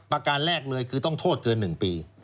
การแรกเลยคือต้องโทษเกิน๑ปี